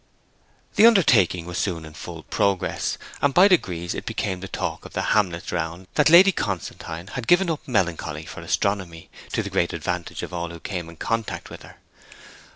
The undertaking was soon in full progress; and by degrees it became the talk of the hamlets round that Lady Constantine had given up melancholy for astronomy, to the great advantage of all who came in contact with her.